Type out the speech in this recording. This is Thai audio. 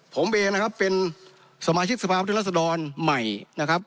ผมเองนะครับเป็นสมาชิกสภาพุทธรัศดรใหม่นะครับ